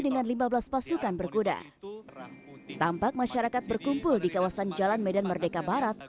dengan lima belas pasukan berkuda tampak masyarakat berkumpul di kawasan jalan medan merdeka barat